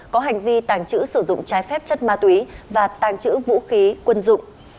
có hành vi tàng trữ sử dụng trái phép chất ma túy và tàng trữ vũ khí quân dụng